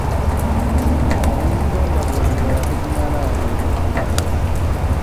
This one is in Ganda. Emizigo nga bwogibala togimalayo.